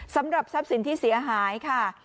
สำหรับทรัพย์สินที่เสียหายค่ะ